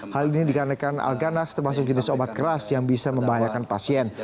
hal ini dikarenakan alganas termasuk jenis obat keras yang bisa membahayakan pasien